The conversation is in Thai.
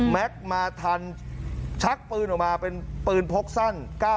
แม็กซ์มาทันชักปืนออกมาเป็นปืนพกสั้น